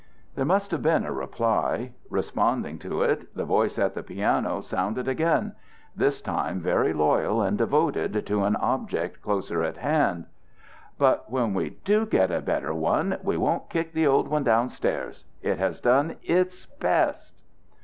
There must have been a reply. Responding to it, the voice at the piano sounded again, this time very loyal and devoted to an object closer at hand: "But when we do get a better one, we won't kick the old one down stairs. It has done its best."